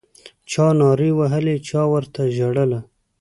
چا نارې وهلې چا ورته ژړله